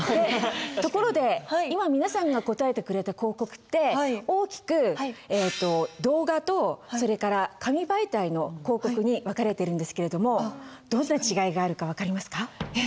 ところで今皆さんが答えてくれた広告って大きく動画とそれから紙媒体の広告に分かれてるんですけれどもどんな違いがあるか分かりますか？